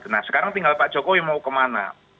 nah sekarang tinggal pak jokowi mau kemana